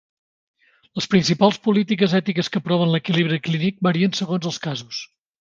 Les principals polítiques ètiques que aproven l'equilibri clínic varien segons els casos.